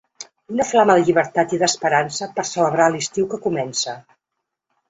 Una flama de llibertat i d'esperança per celebrar l'estiu que comença.